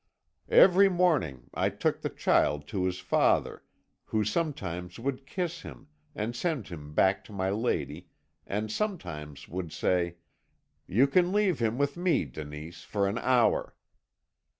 "Every morning I took the child to his father, who sometimes would kiss him and send him back to my lady, and sometimes would say: "'You can leave him with me, Denise, for an hour.'